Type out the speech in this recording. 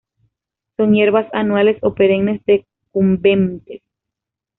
Son hierbas anuales o perennes decumbentes.